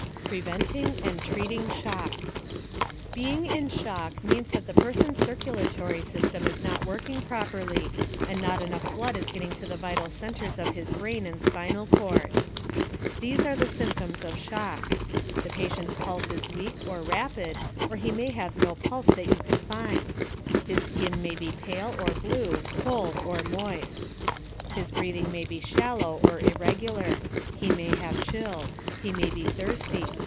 PREVENTING AND TREATING SHOCK Being "in shock" means that a person's circulatory system is not working properly, and not enough blood is getting to the vital centers of his brain and spinal cord. These are the symptoms of shock: The patient's pulse is weak or rapid, or he may have no pulse that you can find. His skin may be pale or blue, cold, or moist. His breathing may be shallow or irregular. He may have chills. He may be thirsty.